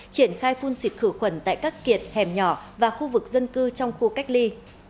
triển khai phun xịt khử khuẩn tại các kiệt hẻm nhỏ và khu vực dân cư trong khu cách ly